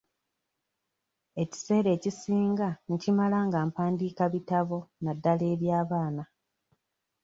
Ekiseera ekisinga nkimala nga mpandiika bitabo naddala eby'abaana.